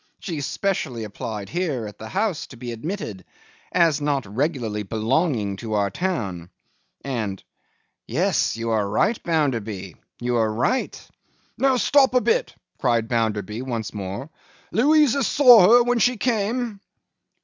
She specially applied here at the house to be admitted, as not regularly belonging to our town, and—yes, you are right, Bounderby, you are right.' 'Now, stop a bit!' cried Bounderby, once more. 'Louisa saw her when she came?